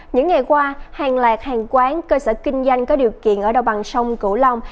những ngày qua hàng loạt hàng quán cơ sở kinh doanh có điều kiện ở đồng bằng sông cửu long